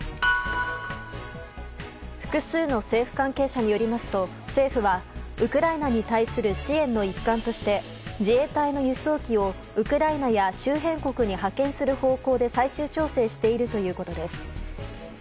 複数の政府関係者によりますと政府はウクライナに対する支援の一環として自衛隊の輸送機をウクライナや周辺国に派遣する方向で最終調整しているということです。